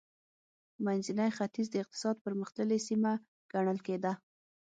منځنی ختیځ د اقتصاد پرمختللې سیمه ګڼل کېده.